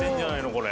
これ。